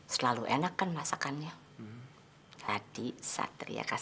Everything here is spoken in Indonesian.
selalu enakkan masakannya